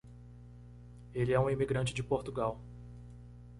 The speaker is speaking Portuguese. Ele é um imigrante de Portugal.